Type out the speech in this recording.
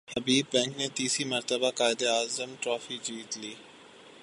حبیب bank نے تیسری مرتبہ قائد اعظم ٹرافی جیت لی